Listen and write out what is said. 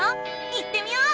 行ってみよう！